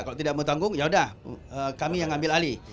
kalau tidak mau ditanggung ya sudah kami yang ambil alih